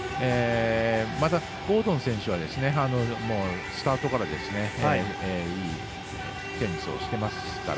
また、ゴードン選手はスタートからいいテニスをしていますから